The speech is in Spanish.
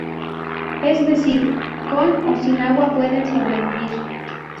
Es decir, con o sin agua pueden sobrevivir.